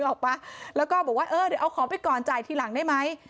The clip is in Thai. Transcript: ออกป่ะแล้วก็บอกว่าเออเดี๋ยวเอาของไปก่อนจ่ายทีหลังได้ไหม